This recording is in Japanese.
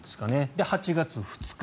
で、８月２日。